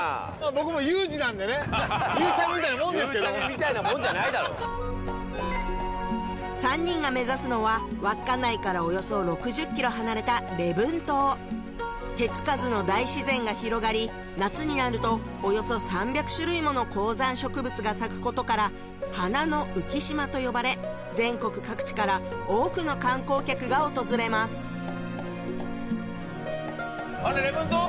僕も佑二なんでね佑ちゃみみたいなもんじゃないだろう三人が目指すのは稚内からおよそ６０キロ離れた礼文島手つかずの大自然が広がり夏になるとおよそ３００種類もの高山植物が咲くことから「花の浮島」と呼ばれ全国各地から多くの観光客が訪れますあれ礼文島？